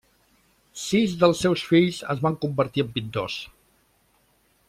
Sis dels seus fills es van convertir en pintors.